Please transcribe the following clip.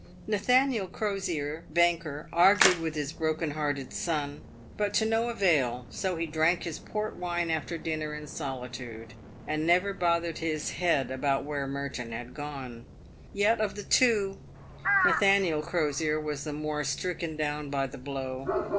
Nathaniel Crosier, banker, argued with his broken hearted son, but to no avail, so he drank his port wine after dinner in solitude, and never bothered his head about where Merton had gone. Yet of the two, Nathaniel Crosier was the more stricken down by the blow.